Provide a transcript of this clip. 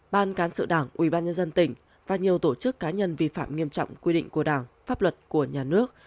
ban cán sự đảng ubnd tỉnh và nhiều tổ chức cá nhân vi phạm nghiêm trọng quy định của đảng pháp luật của nhà nước